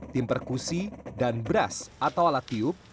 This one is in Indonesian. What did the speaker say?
tim perkusi dan beras atau alat tiup